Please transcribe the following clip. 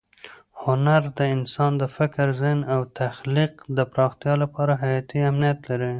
هنر د انسان د فکر، ذهن او تخلیق د پراختیا لپاره حیاتي اهمیت لري.